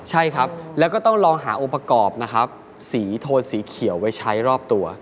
ใช่ครับแล้วก็ต้องลองหาองค์ประกอบนะครับสีโทนสีเขียวไว้ใช้รอบตัว